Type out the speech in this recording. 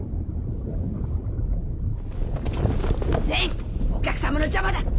千お客様の邪魔だ